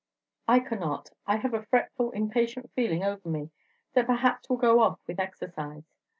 I cannot; I have a fretful, impatient feeling over me that perhaps will go off with exercise.